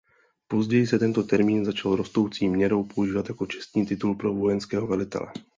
Později se tento termín začal rostoucí měrou používat jako čestný titul pro vojenského velitele.